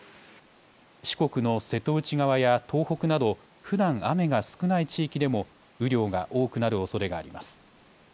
四国の瀬戸内側や東北などふだん雨が少ない地域でも雨量が多くなるおそれがあります。